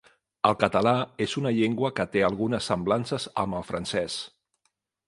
El català és una llengua que té algunes semblances amb el francès.